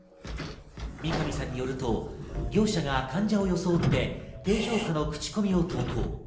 三上さんによると、業者が患者を装って低評価の口コミを投稿。